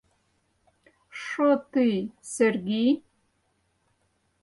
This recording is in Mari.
— Шо тый, Сергий!